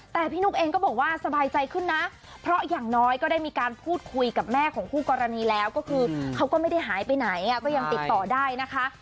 แต่พี่นุ๊กเองก็บอกว่าสบายใจขึ้นนะเพราะอย่างน้อยก็ได้มีการพูดคุยกับแม่ของคู่กรณีแล้วก็คือเขาก็ไม่ได้หายไปไหนก็ยังติดต่อได้นะคะ